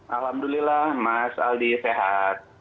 alhamdulillah mas aldi sehat